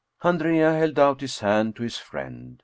Andrea held out his hand to his friend.